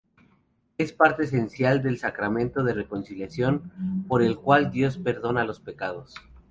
Es parte esencial del Sacramento de Reconciliación por el cual Dios perdona los pecados.